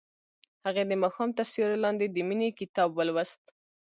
هغې د ماښام تر سیوري لاندې د مینې کتاب ولوست.